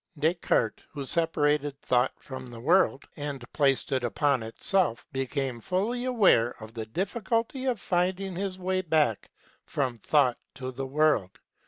Descartes, who separated Thought from the World and placed it upon itself, became fully aware of the difficulty of finding his way back from Thought to the World.